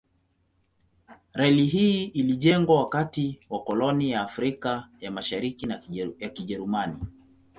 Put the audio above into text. Reli hii ilijengwa wakati wa koloni ya Afrika ya Mashariki ya Kijerumani.